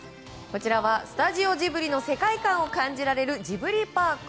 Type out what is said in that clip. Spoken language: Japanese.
こちらはスタジオジブリの世界観を感じられるジブリパーク。